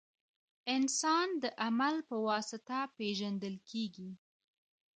• انسان د عمل په واسطه پېژندل کېږي.